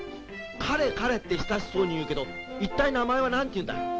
彼彼って親しそうに言うけど一体名前は何ていうんだい？